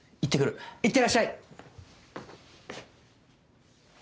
いってらっしゃい。